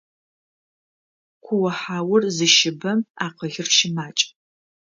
Куохьаур зыщыбэм акъылыр щымакӏ.